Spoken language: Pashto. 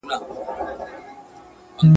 ته بې حسه غوندي پروت وې بوی دي نه کړمه هیڅکله.